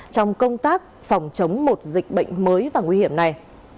trong công tác phòng chống một dịch bệnh mới và nguy hiểm này